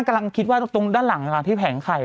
กำลังคิดว่าตรงด้านหลังที่แผงไข่